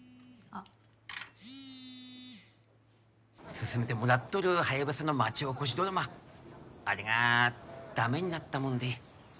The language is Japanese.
進めてもらっとるハヤブサの町おこしドラマあれが駄目になったもんで。